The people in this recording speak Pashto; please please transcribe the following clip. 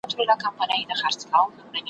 نه څوک یو قدم ځي شاته نه څوک یو قدم تمیږي `